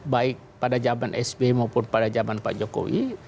baik pada zaman sbi maupun pada zaman pak jokowi